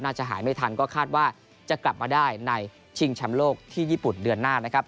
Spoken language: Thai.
หายไม่ทันก็คาดว่าจะกลับมาได้ในชิงชำโลกที่ญี่ปุ่นเดือนหน้านะครับ